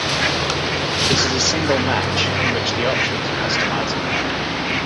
This is a single match in which the options are customizable.